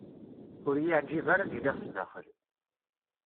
Ur y-iεǧib ara ad iliɣ sdaxel.